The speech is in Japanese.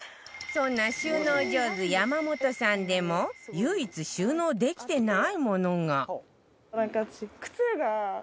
そんな収納上手山本さんでも唯一収納できてないものがなんか私